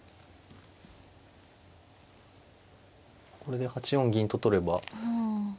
これで８四銀と取れば。